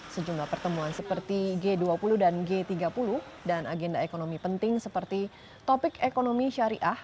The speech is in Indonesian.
sejumlah pertemuan seperti g dua puluh dan g tiga puluh dan agenda ekonomi penting seperti topik ekonomi syariah